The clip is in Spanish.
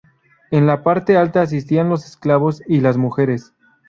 En la parte alta asistían los esclavos y las mujeres.